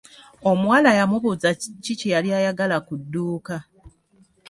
Omuwala yamubuuza ki kye yali ayagala ku dduuka.